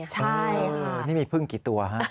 ใช่นี่มีพึ่งกี่ตัวฮะ